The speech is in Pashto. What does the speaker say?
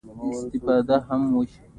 د نړۍ ګڼو هېوادونو ډېرې پیسې مصرفولې.